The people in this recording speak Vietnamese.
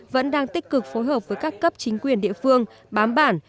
vẫn đang tích cực phối hợp với các cấp chính quyền địa phương bám bản